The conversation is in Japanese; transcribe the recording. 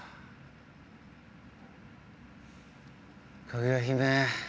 「かぐや姫」